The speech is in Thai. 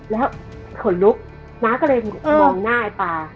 แล้วขนลุกน้าก็เลยมองหน้าไอ้ตา